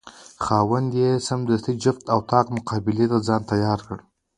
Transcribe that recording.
خاوند یې سمدستي د جفت او طاق مقابلې ته ځان تیار کړ.